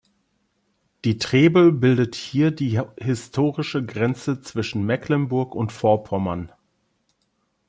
Die Trebel bildet hier die historische Grenze zwischen Mecklenburg und Vorpommern.